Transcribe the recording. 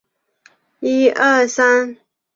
伊达政宗三男。